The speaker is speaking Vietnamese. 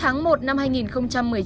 và vùng thu hồi duy dân của môi trường